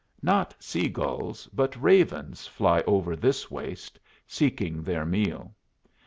Not sea gulls, but ravens, fly over this waste, seeking their meal.